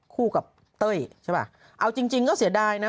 คู่กับเต้ยใช่ป่ะเอาจริงจริงก็เสียดายนะ